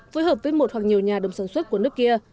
phối hợp với một hoặc nhiều nhà đồng sản xuất của nước kia